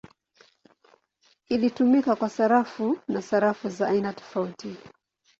Ilitumika kwa sarafu na sarafu za aina tofauti.